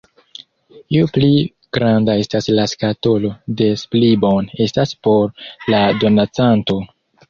Ju pli granda estas la skatolo, des pli bone estas por la donacanto.